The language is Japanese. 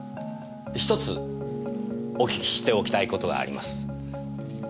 １つお訊きしておきたいことがあります。